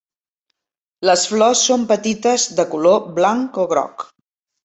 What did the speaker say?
Les flors són petites de color blanc o groc.